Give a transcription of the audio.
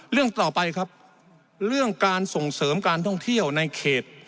เรื่องต่อไปครับเรื่องการส่งเสริมการท่องเที่ยวในเขต